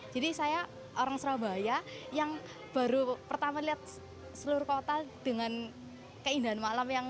jadi saya orang surabaya yang baru pertama lihat seluruh kota dengan keindahan malam